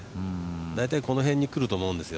大体この辺に来ると思うんですよ。